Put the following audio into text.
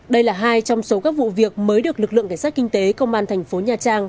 đây là hai trong số các vụ việc mới được lực lượng cảnh sát kinh tế công an thành phố nha trang